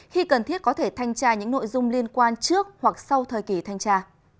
khi cần thiết có thể thanh tra những nội dung liên quan trước hoặc sau thời kỳ thanh tra